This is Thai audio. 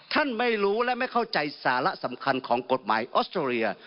ไม่รู้และไม่เข้าใจสาระสำคัญของกฎหมายออสเตรเลีย